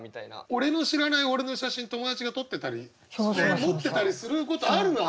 俺の知らない俺の写真友達が撮ってたり持ってたりすることあるわ。